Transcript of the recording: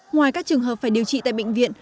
ngoài các trường hợp phải điều trị tại bệnh viện